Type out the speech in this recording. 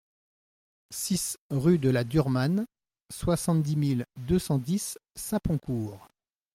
six rue de la Duremanne, soixante-dix mille deux cent dix Saponcourt